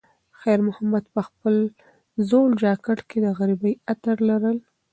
خیر محمد په خپل زوړ جاکټ کې د غریبۍ عطر لرل.